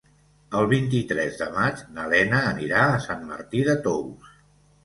El vint-i-tres de maig na Lena anirà a Sant Martí de Tous.